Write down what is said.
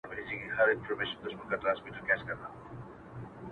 ژوند ټوله پند دی،